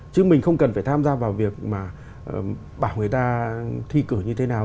chứ mình không cần phải tham gia vào việc mà bảo người ta thi cử như thế nào